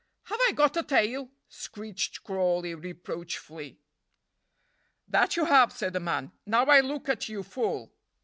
Have I got a tail?" screeched Crawley, reproachfully. "That you have," said the man, "now I look at you full."